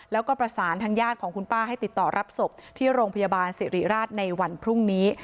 แล้วก็ประสานทางญาติของคุณป้าให้ติดต่อรับศพที่โรงพยาบาลสิริราชในวันพรุ่งนี้